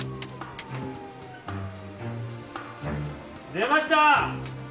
出ました！